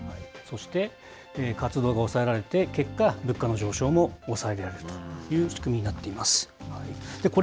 そして活動が抑えられて、結果、物価の上昇も抑えられるという仕組みになっています。